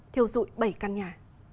thiêu dụi bảy căn nhà